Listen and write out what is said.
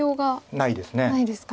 ないですか。